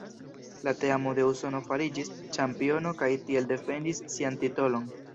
La teamo de Usono fariĝis ĉampiono kaj tiel defendis sian titolon.